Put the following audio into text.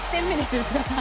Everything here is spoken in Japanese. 内田さん。